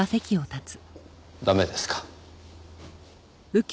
駄目ですか？